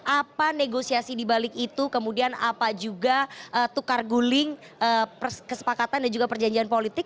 apa negosiasi dibalik itu kemudian apa juga tukar guling kesepakatan dan juga perjanjian politik